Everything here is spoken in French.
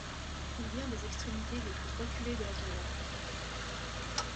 Il vient des extrémités les plus reculées de la caverne.